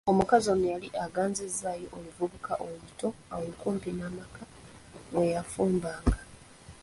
Omukazi ono yali aganzizzayo oluvubuka oluto awo kumpi n’amaka mwe yafumbanga.